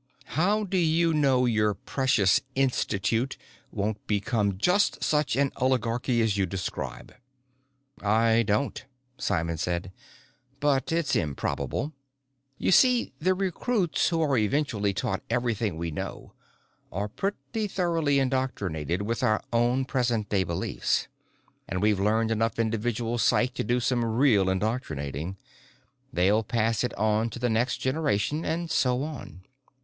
"How do you know your precious Institute won't become just such an oligarchy as you describe?" "I don't," Simon said, "but it's improbable. You see, the recruits who are eventually taught everything we know are pretty thoroughly indoctrinated with our own present day beliefs. And we've learned enough individual psych to do some real indoctrinating! They'll pass it on to the next generation and so on.